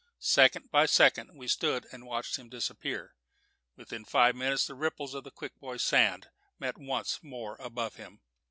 Second by second we stood and watched him disappear. Within five minutes the ripples of the Quick Boy Sand met once more above him.